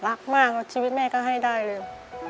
รักมากชีวิตแม่ก็ให้ได้เลย